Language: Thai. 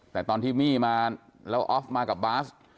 แต่ตอนที่มี่มาแล้วออฟมากับบาส